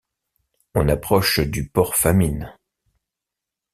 On approche du Port-Famine.